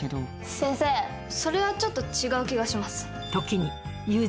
先生それはちょっと違う気がします。